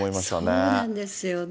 そうなんですよね。